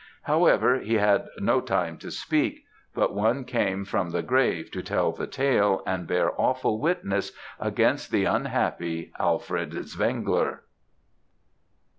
However, he had no time to speak; but one came from the grave to tell the tale and bear awful witness against the unhappy Alfred Zwengler.